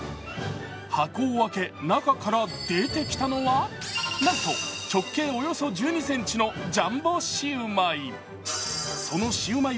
箱を開け、中から出てきたのは、なんと直径およそ１２ｃｍのジャンボシウマイ。